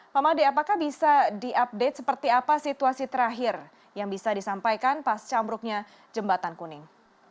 pak made apakah bisa diupdate seperti apa situasi terakhir yang bisa disampaikan pas cambruknya jembatan kuning